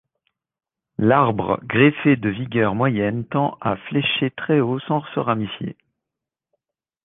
L'arbre greffé de vigueur moyenne tend à flécher très haut sans se ramifier.